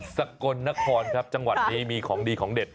สกลนครครับจังหวัดนี้มีของดีของเด็ด